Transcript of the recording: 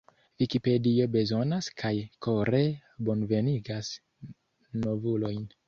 Vikipedio bezonas kaj kore bonvenigas novulojn!